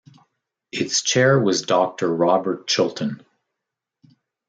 Its chair was Doctor Robert Chilton.